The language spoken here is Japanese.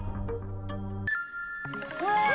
うわ！